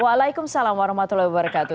waalaikumsalam warahmatullahi wabarakatuh